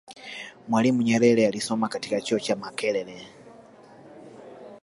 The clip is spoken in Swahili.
mwalimu Nyerere alisoma katika chuo cha makerere